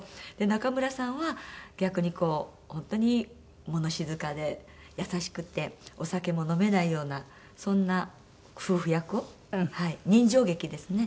中村さんは逆にこう本当に物静かで優しくてお酒も飲めないようなそんな夫婦役を人情劇ですね。